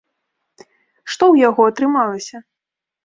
Што ў яго атрымалася?